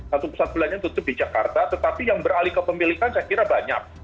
satu pusat perbelanjaan tutup di jakarta tetapi yang beralih ke pemilikan saya kira banyak